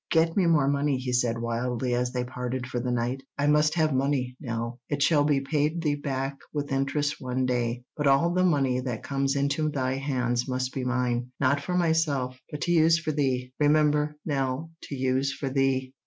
"Get me more money," he said wildly, as they parted for the night. "I must have money, Nell. It shall be paid thee back with interest one day, but all the money that comes into thy hands must be mine—not for myself, but to use for thee. Remember, Nell, to use for thee!"